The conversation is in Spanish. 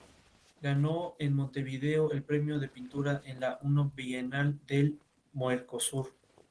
Ganó en Montevideo el premio de pintura en la I Bienal del Mercosur.